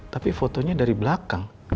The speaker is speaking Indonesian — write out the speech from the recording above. tapi fotonya dari belakang